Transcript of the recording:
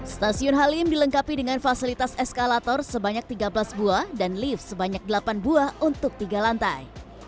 stasiun halim dilengkapi dengan fasilitas eskalator sebanyak tiga belas buah dan lift sebanyak delapan buah untuk tiga lantai